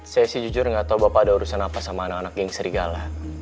saya sih jujur gak tau bapak ada urusan apa sama anak anak yang serigala